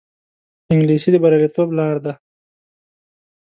انګلیسي د بریالیتوب لار ده